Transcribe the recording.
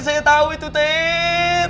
saya tau itu ter